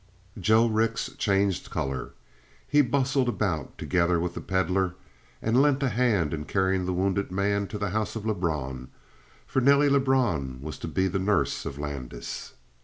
Joe Rix changed color. He bustled about, together with the Pedlar, and lent a hand in carrying the wounded man to the house of Lebrun, for Nelly Lebrun was to be the nurse of Landis.